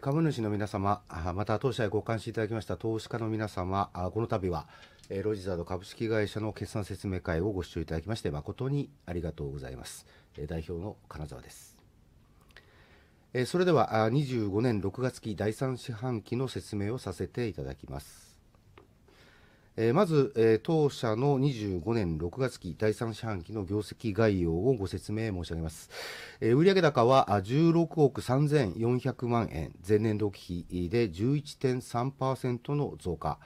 株主の皆様、また当社へご関心いただきました投資家の皆様、この度はロジザード株式会社の決算説明会をご視聴いただきまして、誠にありがとうございます。代表の金澤です。それでは、25年6月期、第3四半期の説明をさせていただきます。まず、当社の25年6月期、第3四半期の業績概要をご説明申し上げます。売上高は ¥1,634,000,000、前年同期比で 11.3% の増加、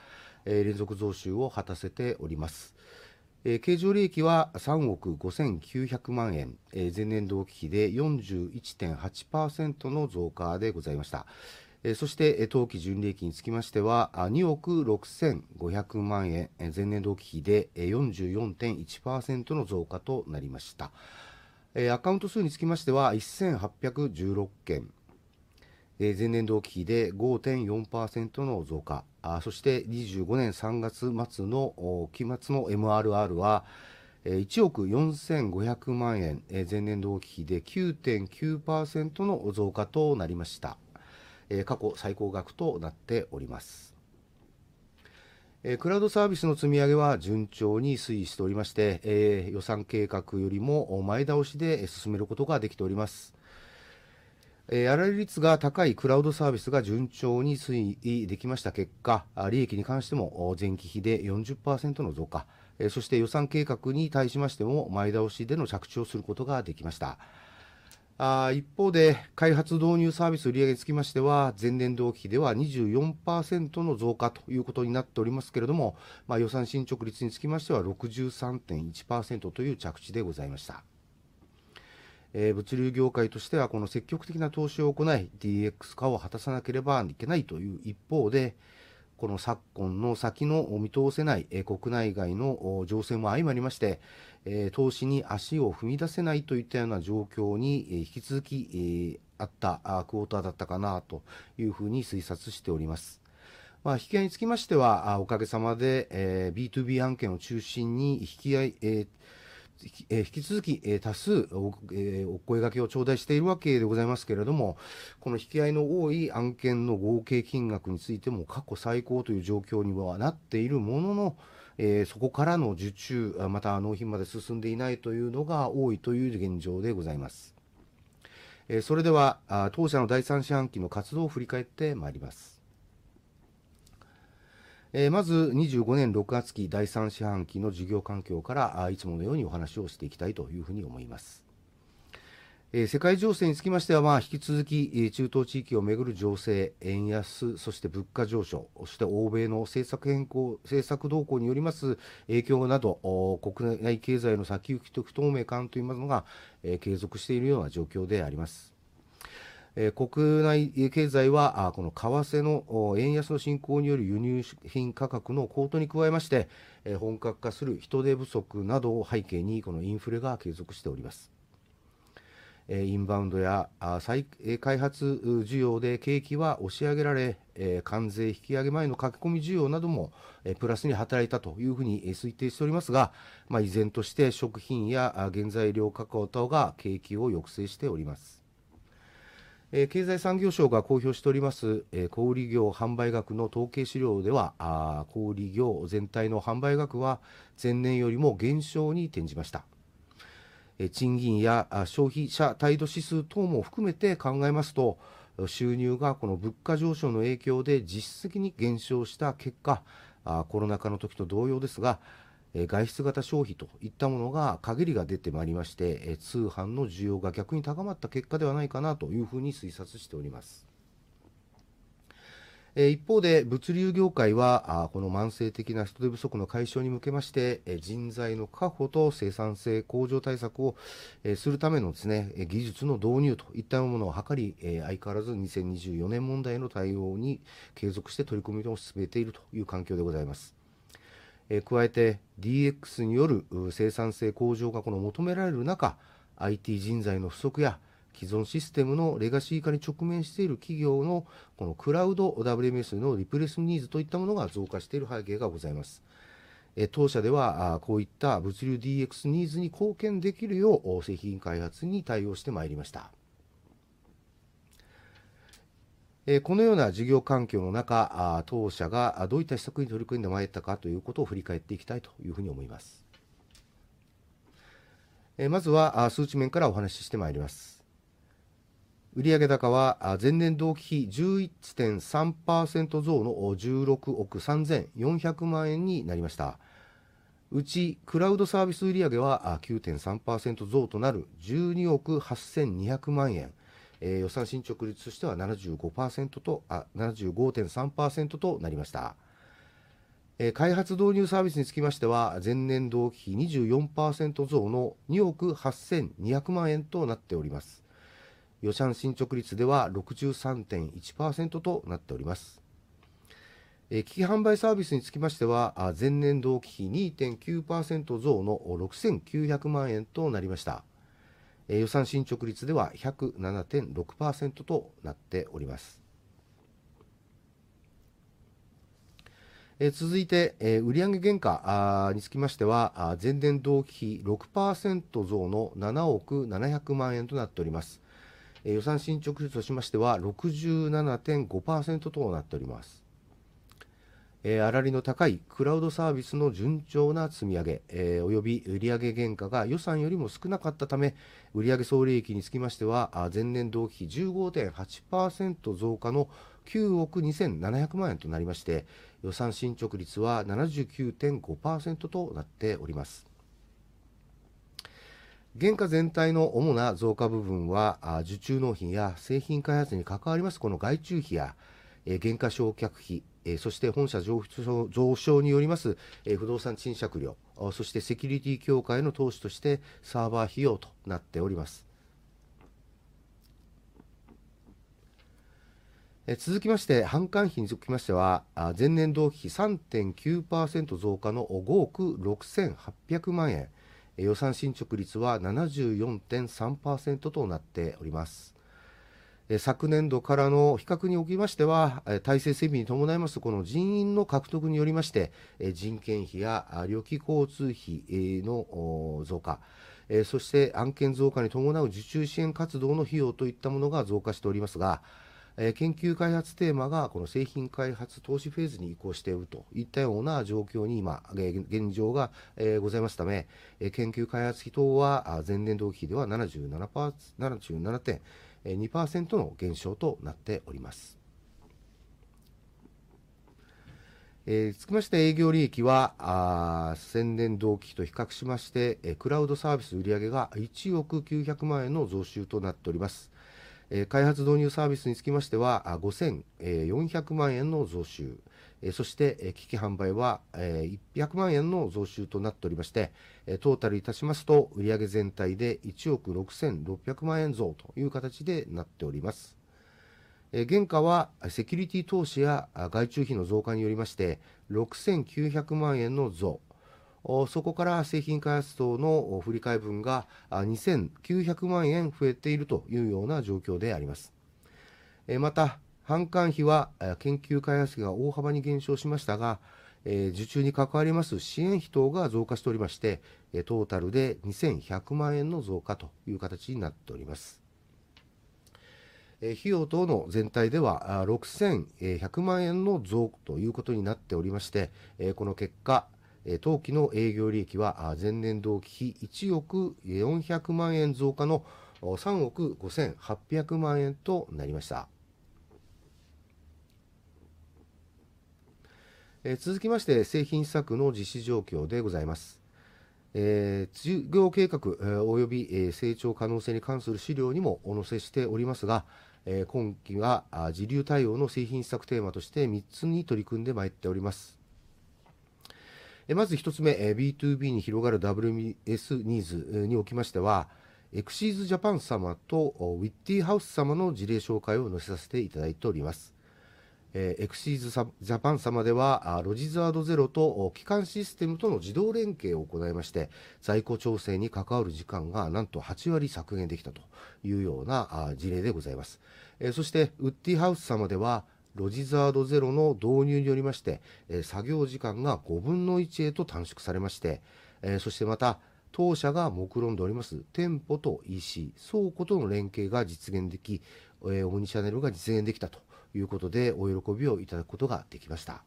連続増収を果たせております。経常利益は ¥359,000,000、前年同期比で 41.8% の増加でございました。当期純利益につきましては ¥265,000,000、前年同期比で 44.1% の増加となりました。アカウント数につきましては 1,816 件、前年同期比で 5.4% の増加、25年3月末の期末の MRR は ¥145,000,000、前年同期比で 9.9% の増加となりました。過去最高額となっております。クラウドサービスの積み上げは順調に推移しておりまして、予算計画よりも前倒しで進めることができております。粗利率が高いクラウドサービスが順調に推移できました結果、利益に関しても前期比で 40% の増加、予算計画に対しましても前倒しでの着地をすることができました。一方で、開発・導入サービス売上につきましては、前年同期比では 24% の増加ということになっておりますけれども、予算進捗率につきましては 63.1% という着地でございました。物流業界としては、積極的な投資を行い、DX 化を果たさなければいけないという一方で、昨今の先の見通せない国内外の情勢も相まりまして、投資に足を踏み出せないといったような状況に引き続きあったクォーターだったかなというふうに推察しております。引き合いにつきましては、おかげさまで BtoB 案件を中心に引き合い、引き続き多数お声がけを頂戴しているわけでございますけれども、引き合いの多い案件の合計金額についても過去最高という状況にはなっているものの、そこからの受注、また納品まで進んでいないというのが多いという現状でございます。それでは、当社の第3四半期の活動を振り返ってまいります。まず、25年6月期、第3四半期の事業環境から、いつものようにお話をしていきたいというふうに思います。世界情勢につきましては、引き続き中東地域を巡る情勢、円安、物価上昇、欧米の政策変更、政策動向によります影響など、国内経済の先行きと不透明感といいますのが継続しているような状況であります。国内経済は、為替の円安の進行による輸入品価格の高騰に加えまして、本格化する人手不足などを背景に、インフレが継続しております。インバウンドや再開発需要で景気は押し上げられ、関税引き上げ前の駆け込み需要などもプラスに働いたというふうに推定しておりますが、依然として食品や原材料価格等が景気を抑制しております。経済産業省が公表しております小売業販売額の統計資料では、小売業全体の販売額は前年よりも減少に転じました。賃金や消費者態度指数等も含めて考えますと、収入がこの物価上昇の影響で実質的に減少した結果、コロナ禍のときと同様ですが、外出型消費といったものが限りが出てまいりまして、通販の需要が逆に高まった結果ではないかなというふうに推察しております。一方で、物流業界はこの慢性的な人手不足の解消に向けまして、人材の確保と生産性向上対策をするための技術の導入といったものを図り、相変わらず2024年問題への対応に継続して取り組みを進めているという環境でございます。加えて、DX による生産性向上が求められる中、IT 人材の不足や既存システムのレガシー化に直面している企業のクラウド WMS のリプレースニーズといったものが増加している背景がございます。当社ではこういった物流 DX ニーズに貢献できるよう製品開発に対応してまいりました。このような事業環境の中、当社がどういった施策に取り組んでまいったかということを振り返っていきたいというふうに思います。まずは数値面からお話ししてまいります。売上高は前年同期比 11.3% 増の ¥1,634,000,000 になりました。うちクラウドサービス売上は 9.3% 増となる ¥1,282,000,000、予算進捗率としては 75.3% となりました。開発・導入サービスにつきましては、前年同期比 24% 増の ¥282,000,000 となっております。予算進捗率では 63.1% となっております。機器販売サービスにつきましては、前年同期比 2.9% 増の ¥69,000,000 となりました。予算進捗率では 107.6% となっております。続いて、売上原価につきましては、前年同期比 6% 増の ¥707,000,000 となっております。予算進捗率としましては 67.5% となっております。粗利の高いクラウドサービスの順調な積み上げ、および売上原価が予算よりも少なかったため、売上総利益につきましては前年同期比 15.8% 増加の ¥927,000,000 となりまして、予算進捗率は 79.5% となっております。原価全体の主な増加部分は、受注納品や製品開発に関わりますこの外注費や減価償却費、本社移転によります不動産賃借料、セキュリティ強化への投資としてサーバー費用となっております。続きまして、販管費につきましては、前年同期比 3.9% 増加の ¥568,000,000、予算進捗率は 74.3% となっております。昨年度からの比較におきましては、体制整備に伴いますこの人員の獲得によりまして、人件費や旅費、交通費の増加、案件増加に伴う受注支援活動の費用といったものが増加しておりますが、研究開発テーマがこの製品開発投資フェーズに移行しておるといったような状況に今現状がございますため、研究開発費等は前年同期比では 77.2% の減少となっております。続きまして、営業利益は前年同期比と比較しまして、クラウドサービス売上が ¥109,000,000 の増収となっております。開発・導入サービスにつきましては ¥54,000,000 の増収、機器販売は ¥1,000,000 の増収となっておりまして、トータルいたしますと売上全体で ¥166,000,000 増という形でなっております。原価はセキュリティ投資や外注費の増加によりまして ¥69,000,000 の増、そこから製品開発等の振替分が ¥29,000,000 増えているというような状況であります。また、販管費は研究開発費が大幅に減少しましたが、受注に関わります支援費等が増加しておりまして、トータルで ¥21,000,000 の増加という形になっております。費用等の全体では ¥61,000,000 の増ということになっておりまして、この結果、当期の営業利益は前年同期比 ¥104,000,000 増加の ¥358,000,000 となりました。続きまして、製品施策の実施状況でございます。事業計画および成長可能性に関する資料にもお載せしておりますが、今期は時流対応の製品施策テーマとして三つに取り組んでまいっております。まず一つ目、BtoB に広がる WMS ニーズにおきましては、エクシーズ・ジャパン様とウィッティハウス様の事例紹介を載せさせていただいております。エクシーズ・ジャパン様ではロジザードゼロと基幹システムとの自動連携を行いまして、在庫調整に関わる時間がなんと8割削減できたというような事例でございます。ウィッティハウス様ではロジザードゼロの導入によりまして作業時間が 1/5 へと短縮されまして、また当社が目論んでおります店舗と EC、倉庫との連携が実現でき、オムニチャネルが実現できたということでお喜びをいただくことができました。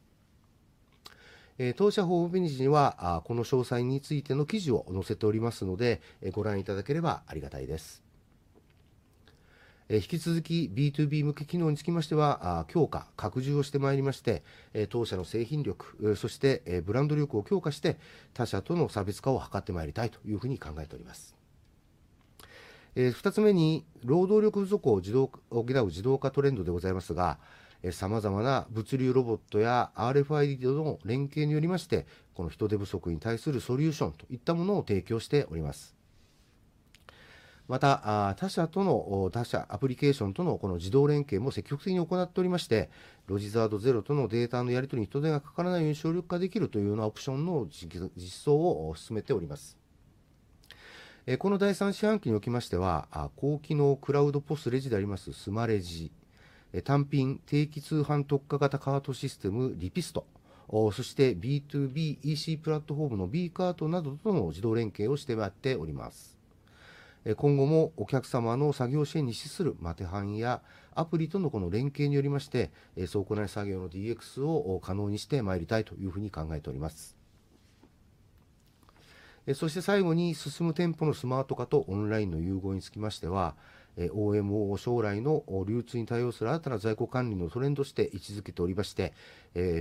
当社ホームページにはこの詳細についての記事を載せておりますので、ご覧いただければありがたいです。引き続き BtoB 向け機能につきましては強化、拡充をしてまいりまして、当社の製品力、ブランド力を強化して他社との差別化を図ってまいりたいというふうに考えております。二つ目に、労働力不足を補う自動化トレンドでございますが、様々な物流ロボットや RFID との連携によりまして、この人手不足に対するソリューションといったものを提供しております。また、他社アプリケーションとのこの自動連携も積極的に行っておりまして、ロジザードゼロとのデータのやり取りに人手がかからないように省力化できるというようなオプションの実装を進めております。この第3四半期におきましては、高機能クラウド POS レジでありますスマレジ、単品、定期通販特化型カートシステムリピスト、BtoB EC プラットフォームの B カートなどとの自動連携をしてまいっております。今後もお客様の作業支援に資するマテハンやアプリとのこの連携によりまして、倉庫作業の DX を可能にしてまいりたいというふうに考えております。最後に、進む店舗のスマート化とオンラインの融合につきましては、OMO、将来の流通に対応する新たな在庫管理のトレンドとして位置づけておりまして、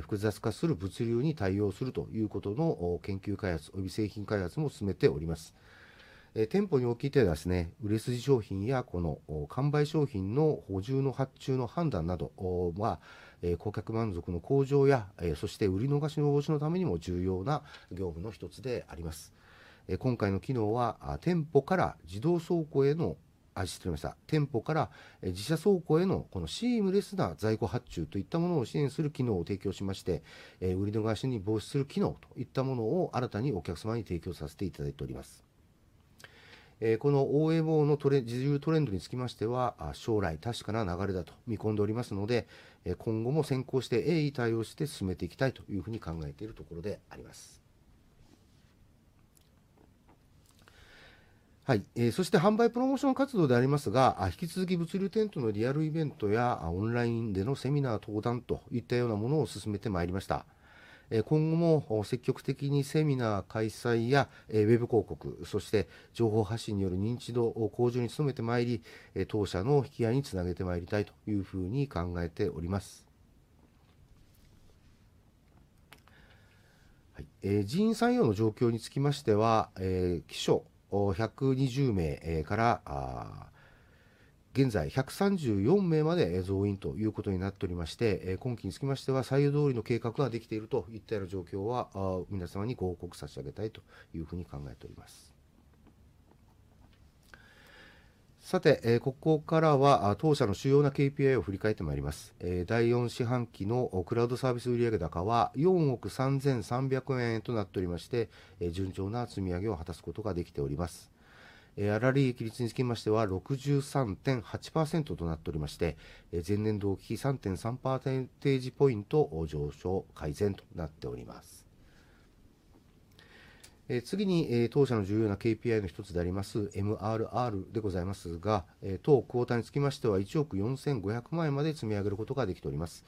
複雑化する物流に対応するということの研究開発及び製品開発も進めております。店舗におきまして、売れ筋商品やこの完売商品の補充の発注の判断などは顧客満足の向上や、売り逃しの防止のためにも重要な業務の一つであります。今回の機能は店舗から自社倉庫へのこのシームレスな在庫発注といったものを支援する機能を提供しまして、売り逃しを防止する機能といったものを新たにお客様に提供させていただいております。この OMO の主流トレンドにつきましては、将来確かな流れだと見込んでおりますので、今後も先行して鋭意対応して進めていきたいというふうに考えているところであります。販売プロモーション活動でありますが、引き続き物流展とのリアルイベントやオンラインでのセミナー登壇といったようなものを進めてまいりました。今後も積極的にセミナー開催やウェブ広告、情報発信による認知度向上に努めてまいり、当社の引き合いにつなげてまいりたいというふうに考えております。人員採用の状況につきましては、期初120名から現在134名まで増員ということになっておりまして、今期につきましては採用計画通りができているといったような状況は皆様にご報告差し上げたいというふうに考えております。さて、ここからは当社の主要な KPI を振り返ってまいります。第3四半期のクラウドサービス売上高は ¥433,000,000 となっておりまして、順調な積み上げを果たすことができております。粗利益率につきましては 63.8% となっておりまして、前年同期比 3.3 ポイント上昇、改善となっております。次に当社の重要な KPI の一つであります MRR でございますが、当クォーターにつきましては ¥145,000,000 まで積み上げることができております。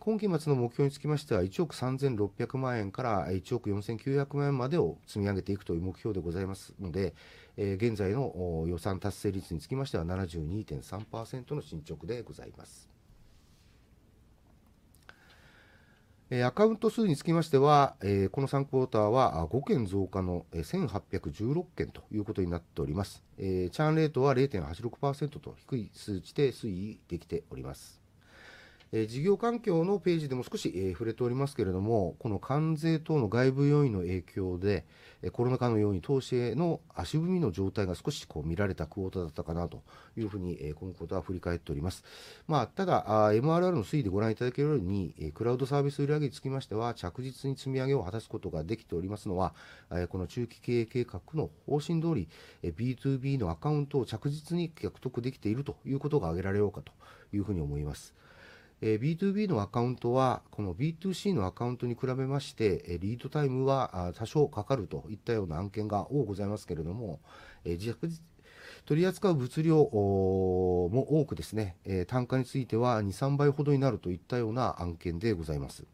今期末の目標につきましては ¥136,000,000 から ¥149,000,000 までを積み上げていくという目標でございますので、現在の予算達成率につきましては 72.3% の進捗でございます。アカウント数につきましては、この第3クォーターは5件増加の 1,816 件ということになっております。チャーンレートは 0.86% と低い数値で推移できております。事業環境のページでも少し触れておりますけれども、この関税等の外部要因の影響でコロナ禍のように投資への足踏みの状態が少し見られたクォーターだったかなというふうに今クォーター振り返っております。ただ、MRR の推移でご覧いただけるように、クラウドサービス売上につきましては着実に積み上げを果たすことができておりますのは、この中期経営計画の方針どおり BtoB のアカウントを着実に獲得できているということが挙げられようかというふうに思います。BtoB のアカウントはこの BtoC のアカウントに比べましてリードタイムは多少かかるといったような案件が多くございますけれども、取り扱う物流量も多く、単価については 2、3倍ほどになるといったような案件でございます。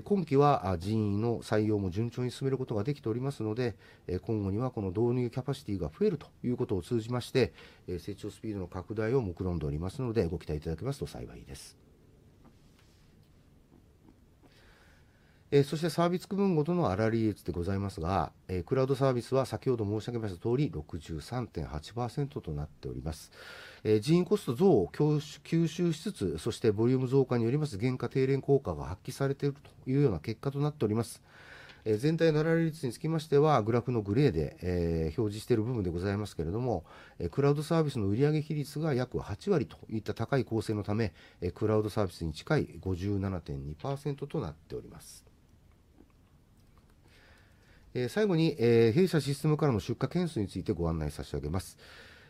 今期は人員の採用も順調に進めることができておりますので、今後にはこの導入キャパシティが増えるということを通じまして、成長スピードの拡大を目論んでおりますので、ご期待いただけますと幸いです。サービス区分ごとの粗利益でございますが、クラウドサービスは先ほど申し上げましたとおり 63.8% となっております。人員コスト増を吸収しつつ、ボリューム増加によります原価低減効果が発揮されているというような結果となっております。全体の粗利益につきましてはグラフのグレーで表示している部分でございますけれども、クラウドサービスの売上比率が約8割といった高い構成のため、クラウドサービスに近い 57.2% となっております。最後に弊社システムからの出荷件数についてご案内差し上げます。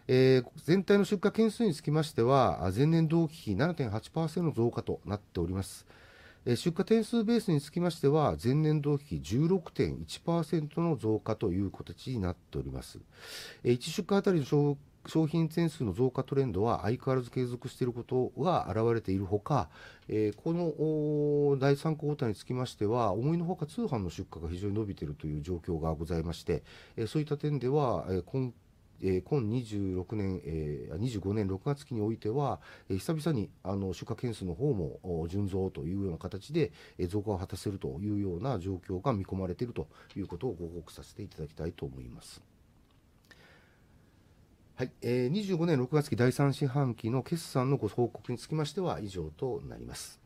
全体の出荷件数につきましては前年同期比 7.8% の増加となっております。出荷点数ベースにつきましては前年同期比 16.1% の増加という形になっております。1出荷あたりの商品点数の増加トレンドは相変わらず継続していることが表れているほか、この第3クォーターにつきましては思いのほか通販の出荷が非常に伸びているという状況がございまして、そういった点では今25年6月期においては久々に出荷件数のほうも順増というような形で増加を果たせるというような状況が見込まれているということをご報告させていただきたいと思います。25年6月期第3四半期の決算のご報告につきましては以上となります。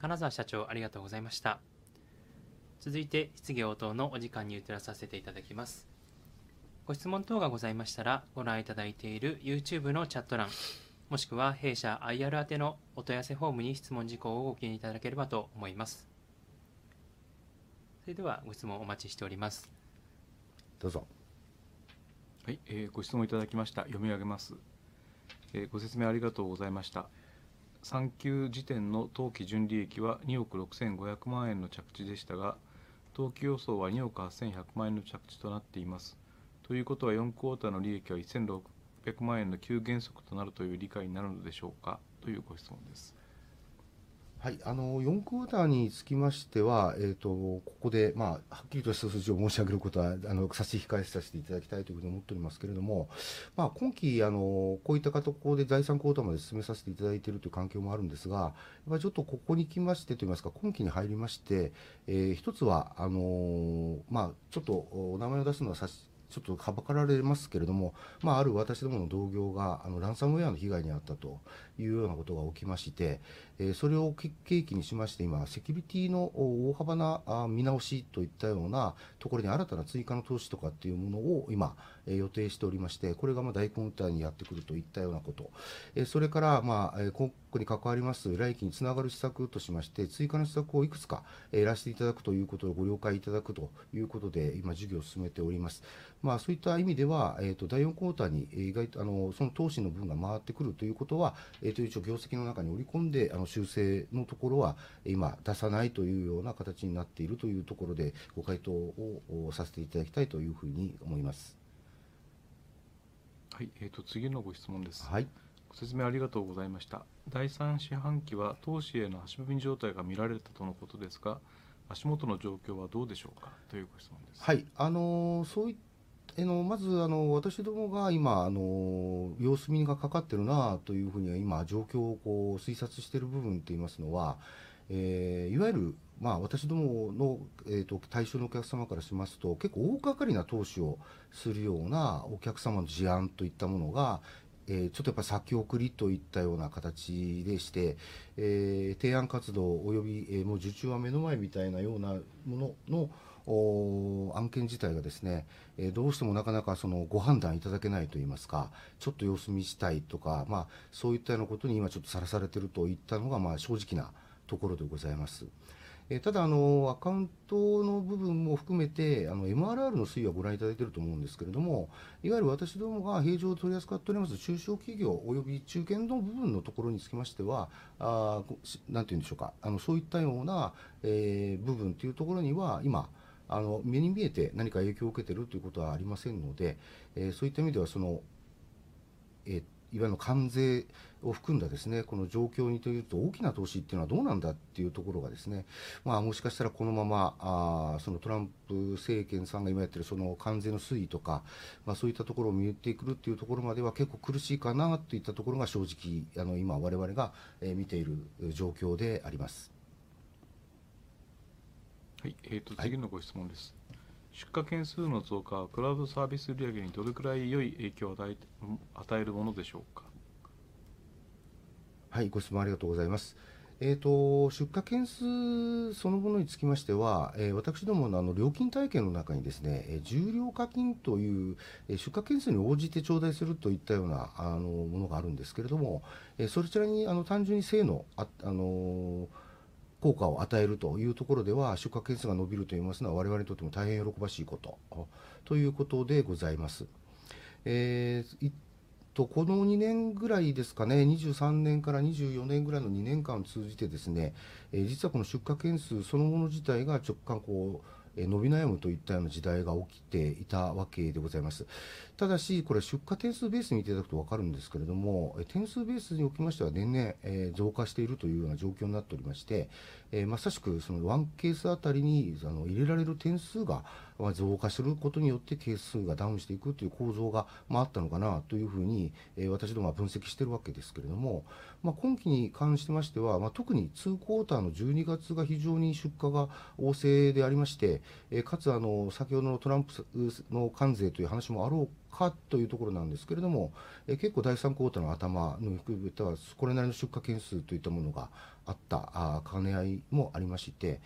金澤社長、ありがとうございました。続いて質疑応答のお時間に移らさせていただきます。ご質問等がございましたら、ご覧いただいている YouTube のチャット欄、もしくは弊社 IR 宛のお問い合わせフォームに質問事項をご記入いただければと思います。それではご質問をお待ちしております。ご質問いただきました。読み上げます。ご説明ありがとうございました。第3四半期時点の当期純利益は ¥265,000,000 の着地でしたが、当期予想は ¥281,000,000 の着地となっています。ということは第4クォーターの利益は ¥16,000,000 の急減速となるという理解になるのでしょうか、というご質問です。第4クォーターにつきましては、ここではっきりとした数字を申し上げることは差し控えさせていただきたいというふうに思っておりますけれども、今期こういった形で第3クォーターまで進めさせていただいているという環境もあるんですが、ここに来ましてといいますか、今期に入りまして、一つはちょっとお名前を出すのはちょっとはばかられますけれども、ある私どもの同業がランサムウェアの被害にあったというようなことが起きまして、それを契機にしまして今セキュリティの大幅な見直しといったようなところに新たな追加の投資とかというものを今予定しておりまして、これが第4クォーターにやってくるといったようなこと、それから今期に関わります来期につながる施策としまして追加の施策をいくつかやらせていただくということをご了解いただくということで今事業を進めております。そういった意味では第4クォーターにその投資の部分が回ってくるということは一応業績の中に織り込んで修正のところは今出さないというような形になっているというところでご回答をさせていただきたいというふうに思います。次のご質問です。ご説明ありがとうございました。第3四半期は投資への足踏み状態が見られたとのことですが、足元の状況はどうでしょうかというご質問です。まず私どもが今様子見がかかってるなというふうに状況を推察してる部分と言いますのは、いわゆる私どもの対象のお客様からしますと結構大掛かりな投資をするようなお客様の事案といったものがちょっとやっぱり先送りといったような形でして、提案活動及びもう受注は目の前みたいなようなものの案件自体が、どうしてもなかなかご判断いただけないといいますか、ちょっと様子見したいとか、そういったようなことに今ちょっとさらされてるといったのが正直なところでございます。ただアカウントの部分も含めて MRR の推移はご覧いただいてると思うんですけれども、いわゆる私どもが平常取り扱っております中小企業及び中堅の部分のところにつきましては、そういったような部分というところには今目に見えて何か影響を受けてるということはありませんので、そういった意味ではいわゆる関税を含んだこの状況にというと大きな投資っていうのはどうなんだっていうところが、もしかしたらこのままトランプ政権さんが今やってる関税の推移とかそういったところを見えてくるっていうところまでは結構苦しいかなといったところが正直今我々が見ている状況であります。次のご質問です。出荷件数の増加はクラウドサービス売上にどれくらい良い影響を与えるものでしょうか。ご質問ありがとうございます。出荷件数そのものにつきましては、私どもの料金体系の中に従量課金という出荷件数に応じて頂戴するといったようなものがあるんですけれども、そちらに直接的に正の効果を与えるというところでは出荷件数が伸びると言いますのは我々にとっても大変喜ばしいことということでございます。この2年ぐらいですかね、2023年から2024年ぐらいの2年間を通じて、実はこの出荷件数そのもの自体が若干伸び悩むといったような時代が起きていたわけでございます。ただし、これ出荷点数ベースに見ていただくと分かるんですけれども、点数ベースにおきましては年々増加しているというような状況になっておりまして、まさしく1ケースあたりに入れられる点数が増加することによって件数がダウンしていくという構造があったのかなというふうに私どもは分析してるわけですけれども、今期に関しましては特に第2クォーターの12月が非常に出荷が旺盛でありまして、かつ先ほどのトランプの関税という話もあろうかというところなんですけれども、結構第3クォーターの頭の含めてはそれなりの出荷件数といったものがあった兼ね合いもありまして、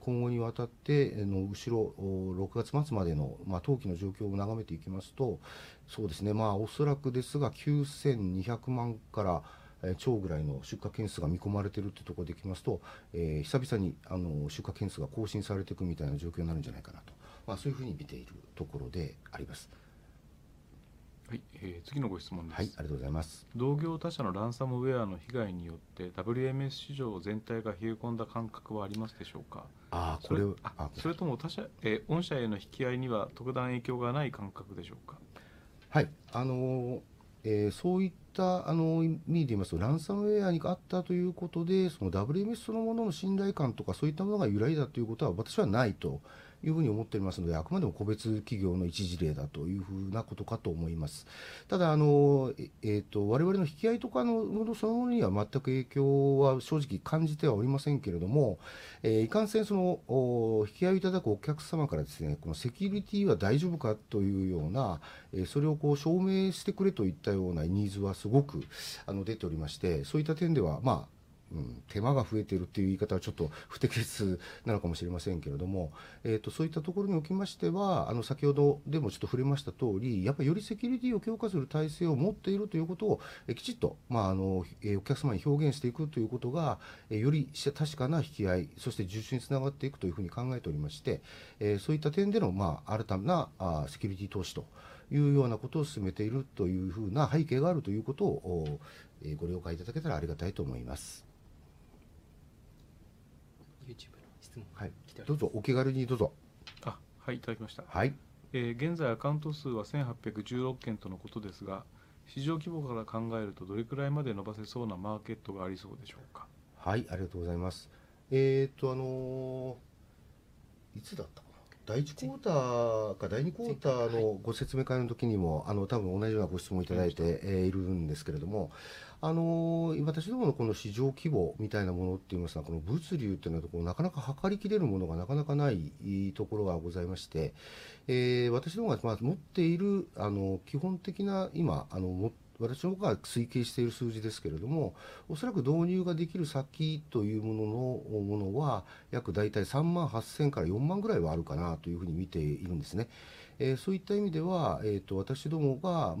今後にわたって後ろ6月末までの当期の状況を眺めていきますと、おそらくですが 9,200 万件を超えぐらいの出荷件数が見込まれてるってところでいきますと、久々に出荷件数が更新されてくみたいな状況になるんじゃないかなと、そういうふうに見ているところであります。次のご質問です。同業他社のランサムウェアの被害によって WMS 市場全体が冷え込んだ感覚はありますでしょうか。それとも御社への引き合いには特段影響がない感覚でしょうか。そういった意味で言いますとランサムウェアがあったということで、WMS そのものの信頼感とかそういったものが揺らいだということは私はないというふうに思っておりますので、あくまでも個別企業の一事例だというふうなことかと思います。ただ、我々の引き合いとかのものそのものには全く影響は正直感じてはおりませんけれども、いかんせん引き合いをいただくお客様から、このセキュリティは大丈夫かというような、それを証明してくれといったようなニーズはすごく出ておりまして、そういった点では手間が増えてるっていう言い方はちょっと不適切なのかもしれませんけれども、そういったところにおきましては先ほどでもちょっと触れましたとおり、やっぱりよりセキュリティを強化する体制を持っているということをきちっとお客様に表現していくということがより確かな引き合い、そして受注につながっていくというふうに考えておりまして、そういった点での新たなセキュリティ投資というようなことを進めているというふうな背景があるということをご了解いただけたらありがたいと思います。YouTube の質問が来ております。現在アカウント数は 1,816 件とのことですが、市場規模から考えるとどれくらいまで伸ばせそうなマーケットがありそうでしょうか。ありがとうございます。第1クォーターか第2クォーターのご説明会のときにも多分同じようなご質問いただいているんですけれども、私どものこの市場規模みたいなものって言いますのは物流ってのはなかなか測り切れるものがなかなかないところがございまして、私どもが持っている基本的な今私のほうが推計している数字ですけれども、おそらく導入ができる先というものは約大体 38,000 から 40,000 ぐらいはあるかなというふうに見ているんですね。そういった意味では私どもが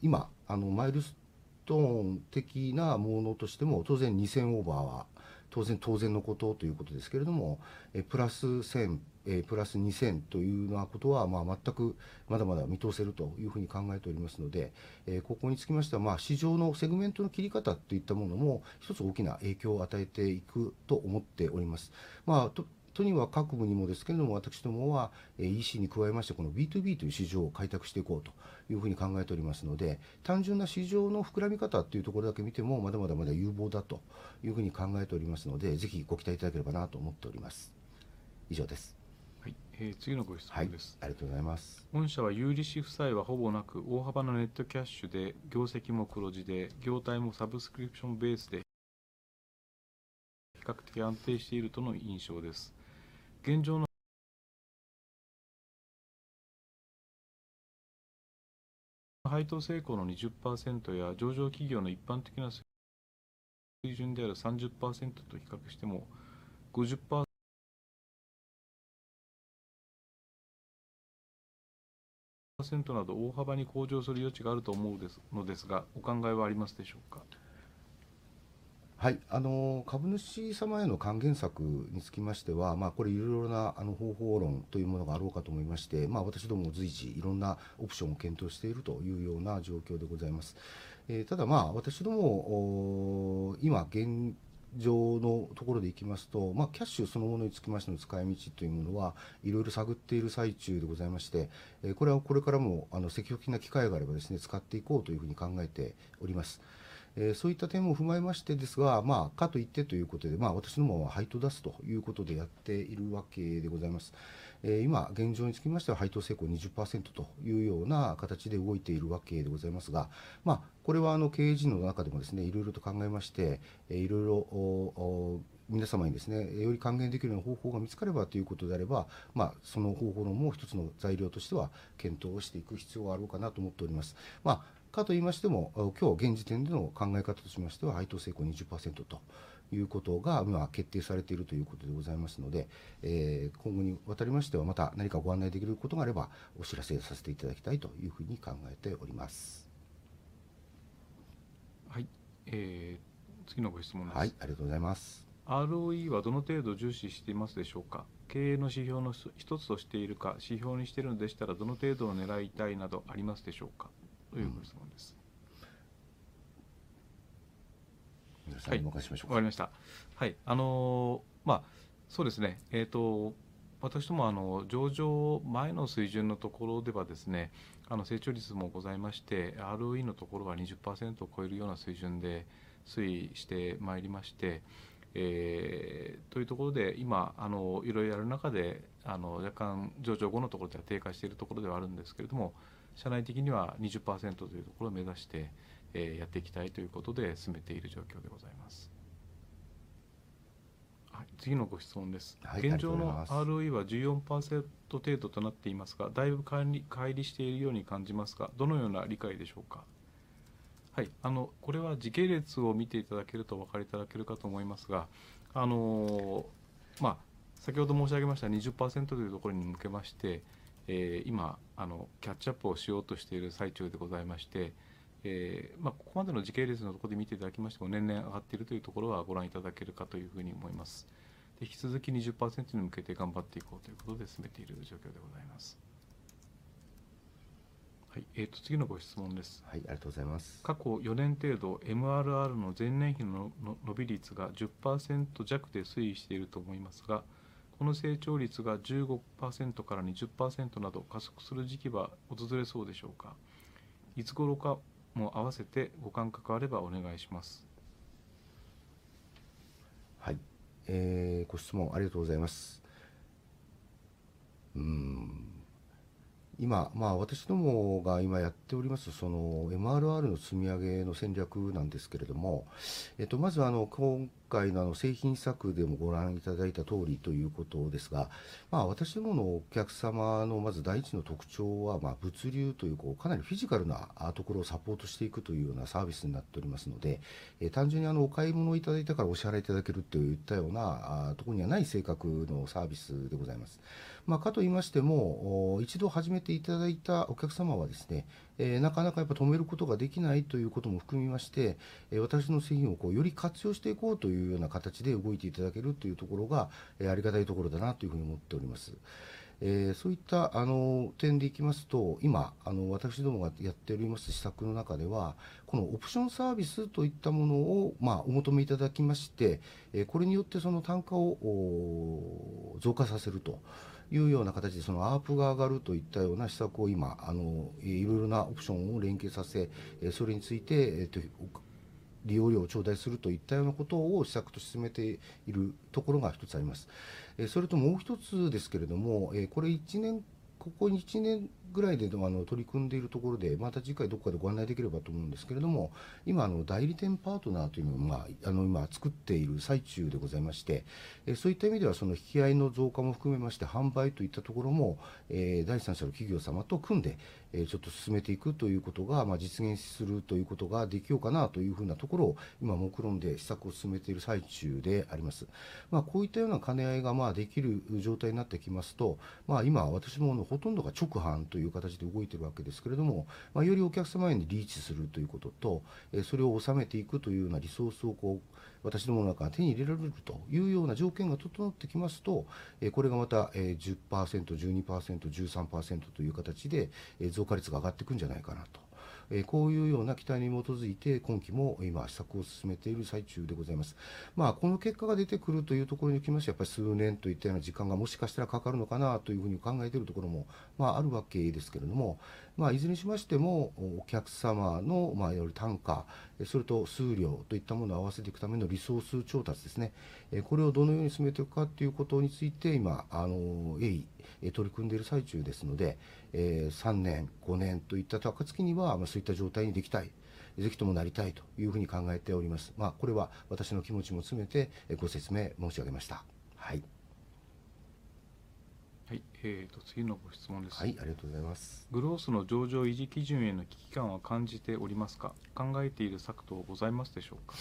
今マイルストーン的なものとしても当然 2,000 オーバーは当然のことということですけれども、プラス 1,000、プラス 2,000 というようなことは全くまだまだ見通せるというふうに考えておりますので、ここにつきましては市場のセグメントの切り方といったものも一つ大きな影響を与えていくと思っております。都度各部にもですけれども、私どもは EC に加えましてこの BtoB という市場を開拓していこうというふうに考えておりますので、単純な市場の膨らみ方っていうところだけ見てもまだまだ有望だというふうに考えておりますので、ぜひご期待いただければなと思っております。次のご質問です。御社は有利子負債はほぼなく、大幅なネットキャッシュで、業績も黒字で、業態もサブスクリプションベースで比較的安定しているとの印象です。現状の配当性向の 20% や上場企業の一般的な水準である 30% と比較しても 50% など大幅に向上する余地があると思うのですが、お考えはありますでしょうか。株主様への還元策につきましては、これいろいろな方法論というものがあろうかと思いまして、私ども随時いろんなオプションを検討しているというような状況でございます。ただ、私ども今現状のところでいきますと、キャッシュそのものにつきましての使い道というものはいろいろ探っている最中でございまして、これはこれからも積極的な機会があれば使っていこうというふうに考えております。そういった点も踏まえましてですが、かといってということで私どもは配当を出すということでやっているわけでございます。今現状につきましては配当性向 20% というような形で動いているわけでございますが、これは経営陣の中でもいろいろと考えまして、いろいろ皆様により還元できるような方法が見つかればということであれば、その方法論も一つの材料としては検討をしていく必要があろうかなと思っております。かといいましても、今日現時点での考え方としましては配当性向 20% ということが今決定されているということでございますので、今後にわたりましてはまた何かご案内できることがあればお知らせさせていただきたいというふうに考えております。次のご質問です。ROE はどの程度重視していますでしょうか。経営の指標の一つとしているか、指標にしているのでしたらどの程度を狙いたいなどありますでしょうか。というご質問です。私ども上場前の水準のところでは成長率もございまして、ROE のところは 20% を超えるような水準で推移してまいりまして、というところで今いろいろやる中で若干上場後のところでは低下しているところではあるんですけれども、社内的には 20% というところを目指してやっていきたいということで進めている状況でございます。次のご質問です。現状の ROE は 14% 程度となっていますが、だいぶ乖離しているように感じますが、どのような理解でしょうか。これは時系列を見ていただけるとお分かりいただけるかと思いますが、先ほど申し上げました 20% というところに向けまして、今キャッチアップをしようとしている最中でございまして、ここまでの時系列のところで見ていただきましても年々上がっているというところはご覧いただけるかというふうに思います。引き続き 20% に向けて頑張っていこうということで進めている状況でございます。次のご質問です。過去4年程度 MRR の前年比の伸び率が 10% 弱で推移していると思いますが、この成長率が 15% から 20% など加速する時期は訪れそうでしょうか。いつ頃かも併せてご感覚があればお願いします。ご質問ありがとうございます。今私どもが今やっております MRR の積み上げの戦略なんですけれども、まず今回の製品策でもご覧いただいたとおりということですが、私どものお客様のまず第一の特徴は物流というかなりフィジカルなところをサポートしていくというようなサービスになっておりますので、単純にお買い物をいただいたからお支払いいただけるといったようなところにはない性格のサービスでございます。かといいましても、一度始めていただいたお客様はなかなかやっぱり止めることができないということも含みまして、私の製品をより活用していこうというような形で動いていただけるというところがありがたいところだなというふうに思っております。そういった点でいきますと、今私どもがやっております施策の中ではこのオプションサービスといったものをお求めいただきまして、これによって単価を増加させるというような形でそのアップが上がるといったような施策を今いろいろなオプションを連携させ、それについて利用料を頂戴するといったようなことを施策として進めているところが一つあります。それともう一つですけれども、ここ1年ぐらいで取り組んでいるところで、また次回どこかでご案内できればと思うんですけれども、今代理店パートナーというのを今作っている最中でございまして、そういった意味ではその引き合いの増加も含めまして販売といったところも第三者の企業様と組んでちょっと進めていくということが実現するということができようかなというふうなところを今目論んで施策を進めている最中であります。こういったような兼ね合いができる状態になってきますと、今私どものほとんどが直販という形で動いてるわけですけれども、よりお客様へにリーチするということと、それを収めていくというようなリソースを私どもの中に手に入れられるというような条件が整ってきますと、これがまた 10%、12%、13% という形で増加率が上がってくんじゃないかなと。こういうような期待に基づいて今期も今施策を進めている最中でございます。この結果が出てくるというところにおきまして、やっぱり数年といったような時間がもしかしたらかかるのかなというふうに考えてるところもあるわけですけれども、いずれにしましてもお客様のより単価、それと数量といったものを合わせていくためのリソース調達、これをどのように進めていくかっていうことについて今鋭意取り組んでいる最中ですので、3 年、5年といった暁にはそういった状態にできたい、ぜひともなりたいというふうに考えております。これは私の気持ちも含めてご説明申し上げました。次のご質問です。グロースの上場維持基準への危機感は感じておりますか。考えている策等ございますでしょうか。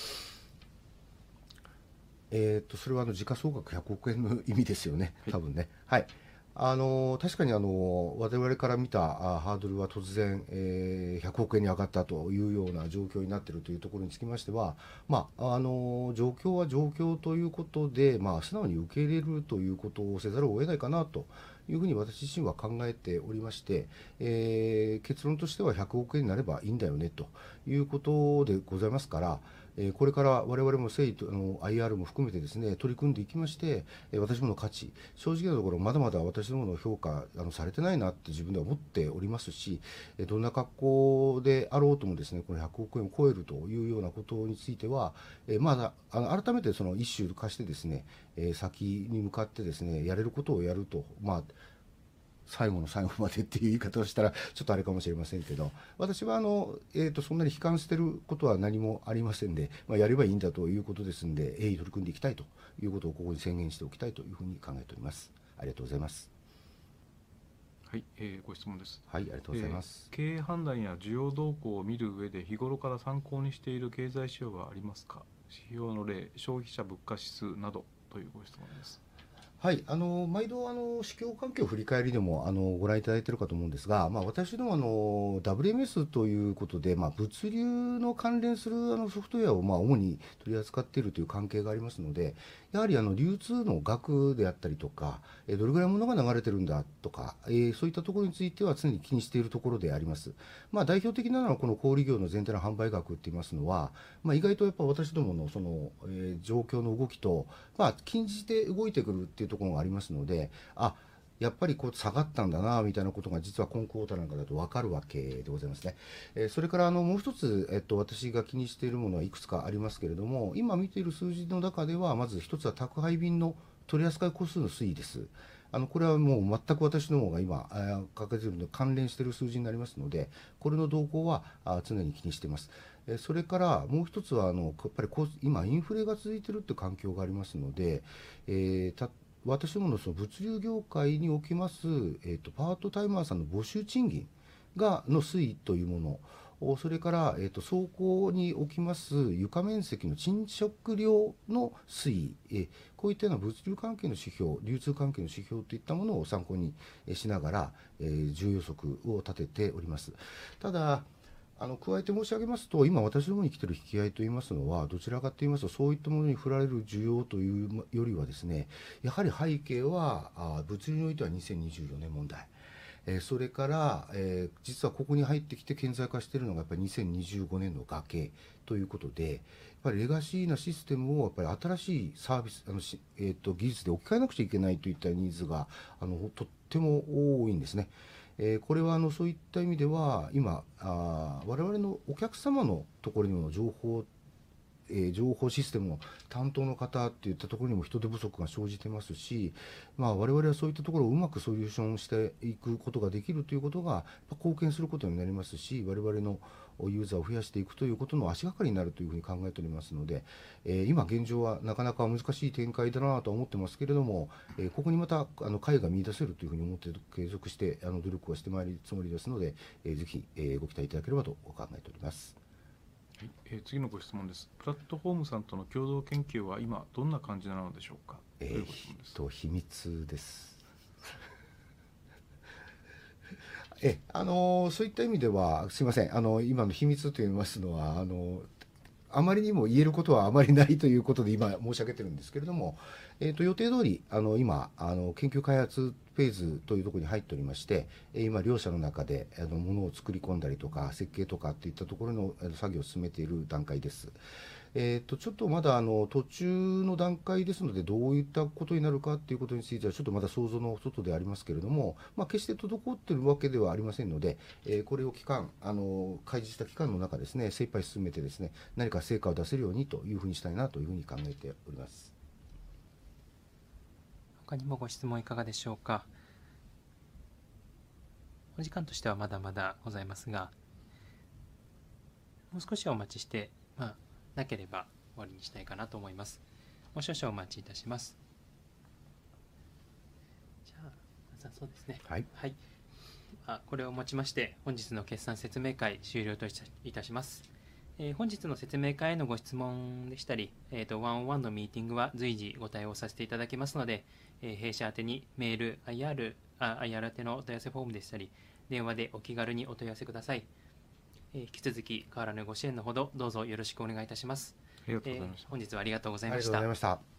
それは時価総額 ¥10,000,000,000 の意味ですよね、多分ね。確かに我々から見たハードルは突然 ¥10,000,000,000 に上がったというような状況になってるというところにつきましては、状況は状況ということで素直に受け入れるということをせざるを得ないかなというふうに私自身は考えておりまして、結論としては ¥10,000,000,000 になればいいんだよねということでございますから、これから我々も IR も含めて取り組んでいきまして、私どもの価値、正直なところまだまだ私どもの評価されてないなって自分では思っておりますし、どんな格好であろうともこの ¥10,000,000,000 を超えるというようなことについては改めて一丸化して先に向かってやれることをやると、最後の最後までっていう言い方をしたらちょっとあれかもしれませんけど、私はそんなに悲観してることは何もありませんで、やればいいんだということですんで、鋭意取り組んでいきたいということをここに宣言しておきたいというふうに考えております。次のご質問です。経営判断や需要動向を見る上で日頃から参考にしている経済指標はありますか。指標の例、消費者物価指数などというご質問です。毎度市況環境振り返りでもご覧いただいてるかと思うんですが、私ども WMS ということで物流の関連するソフトウェアを主に取り扱っているという関係がありますので、やはり流通の額であったりとか、どれぐらいものが流れてるんだとか、そういったところについては常に気にしているところであります。代表的なのはこの小売業の全体の販売額って言いますのは、意外とやっぱり私どもの状況の動きと近似して動いてくるっていうところがありますので、やっぱり下がったんだなみたいなことが実は今クォーターなんかだと分かるわけでございますね。それからもう一つ私が気にしているものはいくつかありますけれども、今見ている数字の中ではまず一つは宅配便の取り扱い個数の推移です。これはもう全く私どもが今掲げてるのと関連してる数字になりますので、これの動向は常に気にしてます。それからもう一つはやっぱり今インフレが続いてるって環境がありますので、私どもの物流業界におきますパートタイマーさんの募集賃金の推移というもの、それから倉庫におきます床面積の賃借料の推移、こういったような物流関係の指標、流通関係の指標といったものを参考にしながら需要予測を立てております。ただ、加えて申し上げますと、今私どもに来てる引き合いと言いますのはどちらかと言いますとそういったものに振られる需要というよりは、やはり背景は物流においては2024年問題、それから実はここに入ってきて顕在化してるのがやっぱり2025年の崖ということで、やっぱりレガシーなシステムをやっぱり新しいサービス、技術で置き換えなくちゃいけないといったニーズがとっても多いんですね。これはそういった意味では今我々のお客様のところにも情報システムの担当の方っていったところにも人手不足が生じてますし、我々はそういったところをうまくソリューションしていくことができるということが貢献することになりますし、我々のユーザーを増やしていくということの足掛かりになるというふうに考えておりますので、今現状はなかなか難しい展開だなとは思ってますけれども、ここにまた機会が見いだせるというふうに思って継続して努力はしてまいるつもりですので、ぜひご期待いただければと考えております。次のご質問です。プラットフォームさんとの共同研究は今どんな感じなのでしょうか。というご質問です。秘密です。そういった意味では、すいません、今の秘密と言いますのはあまりにも言えることはあまりないということで今申し上げてるんですけれども、予定通り今研究開発フェーズというところに入っておりまして、今両者の中でものを作り込んだりとか設計とかっていったところの作業を進めている段階です。ちょっとまだ途中の段階ですので、どういったことになるかっていうことについてはちょっとまだ想像の外でありますけれども、決して滞ってるわけではありませんので、これを期間、開示した期間の中で精一杯進めて何か成果を出せるようにというふうにしたいなというふうに考えております。ほかにもご質問いかがでしょうか。お時間としてはまだまだございますが、もう少しお待ちしてなければ終わりにしたいかなと思います。もう少々お待ちいたします。これをもちまして本日の決算説明会終了といたします。本日の説明会へのご質問でしたり、ワンオンワンのミーティングは随時ご対応させていただきますので、弊社宛にメール、IR 宛のお問い合わせフォームでしたり、電話でお気軽にお問い合わせください。引き続き変わらぬご支援のほどどうぞよろしくお願いいたします。ありがとうございました。本日はありがとうございました。ありがとうございました。